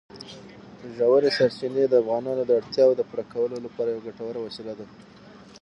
ژورې سرچینې د افغانانو د اړتیاوو د پوره کولو لپاره یوه ګټوره وسیله ده.